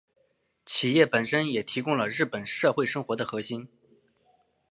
企业本身也提供了日本社会生活的核心。